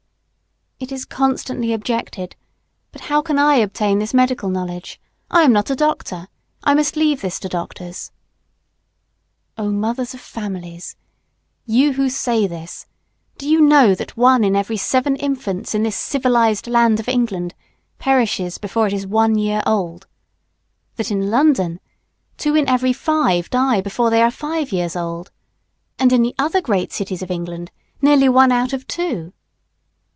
It is constantly objected, "But how can I obtain this medical knowledge? I am not a doctor. I must leave this to doctors." [Sidenote: Little understood.] Oh, mothers of families! You who say this, do you know that one in every seven infants in this civilized land of England perishes before it is one year old? That, in London, two in every five die before they are five years old? And, in the other great cities of England, nearly one out of two?